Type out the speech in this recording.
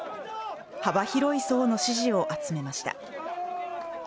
幅広い層の支持を集めました。